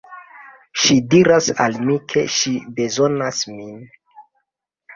Ŝi diras al mi, ke ŝi bezonas min.